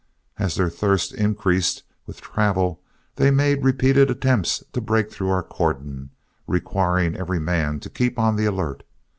As their thirst increased with travel, they made repeated attempts to break through our cordon, requiring every man to keep on the alert.